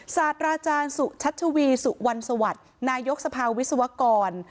ศาสตราอาจารย์สุชัชวีสุวรรณสวัสดิ์นายกสภาวิศวกร